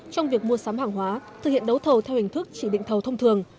trong việc mua sắm hàng hóa thực hiện đấu thầu theo hình thức chỉ định thầu thông thường